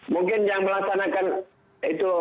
mungkin yang melaksanakan itu